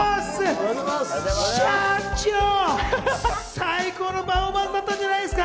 最高のパフォーマンスだったんじゃないですか？